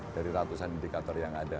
dari ratusan indikator yang ada